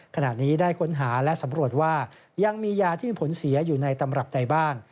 ขณะนี้ได้ค้นหาและสำรวจว่ายังมียาที่มีผลเสียอยู่ในตำรับใดบ้าง